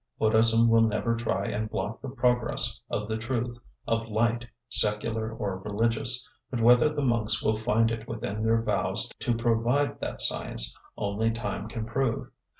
Buddhism will never try and block the progress of the truth, of light, secular or religious; but whether the monks will find it within their vows to provide that science, only time can prove.